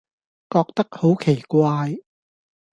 覺得好奇怪